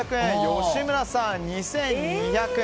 吉村さんは２２００円。